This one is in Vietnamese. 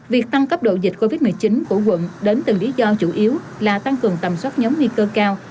việc tăng cấp độ dịch covid một mươi chín của quận đến từng lý do chủ yếu là tăng cường tầm soát nhóm nguy cơ cao